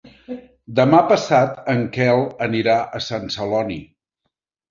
Demà passat en Quel anirà a Sant Celoni.